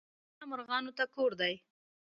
• ونه مرغانو ته کور دی.